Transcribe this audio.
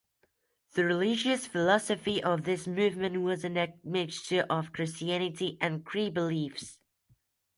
The religious philosophy of this movement was an admixture of Christianity and Cree beliefs.